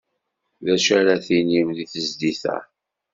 D acu ara d-tinim di tezlit-a?